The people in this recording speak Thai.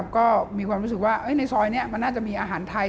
ก็มีความรู้สึกว่าในซอยนี้มันน่าจะมีอาหารไทย